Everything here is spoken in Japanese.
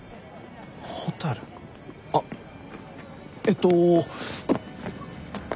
あっえっと。